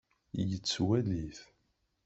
Yettwali-t.